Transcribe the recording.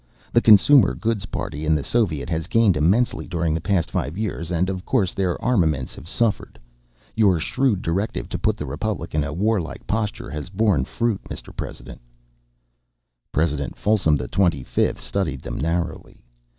The consumer goods party in the Soviet has gained immensely during the past five years and of course their armaments have suffered. Your shrewd directive to put the Republic in a war like posture has borne fruit, Mr. President...." President Folsom XXV studied them narrowly.